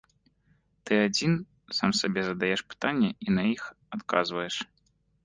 Ты адзін, сам сабе задаеш пытанні і на іх адказваеш.